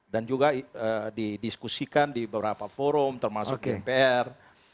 dan juga didiskusikan di beberapa forum termasuk gpr